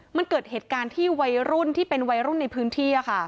มันเกิดเหตุการณ์ที่วัยรุ่นที่เป็นวัยรุ่นในพื้นที่